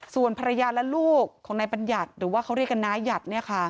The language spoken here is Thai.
ส่วนภรรยาและลูกของนายบัญญัติหรือว่าเขาเรียกกันน้ายัด